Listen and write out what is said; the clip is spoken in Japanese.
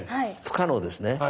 不可能です。